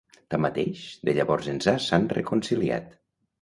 Tanmateix, de llavors ençà s'han reconciliat.